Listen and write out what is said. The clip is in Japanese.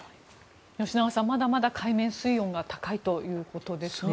吉永さん、まだまだ海面水温が高いということですね。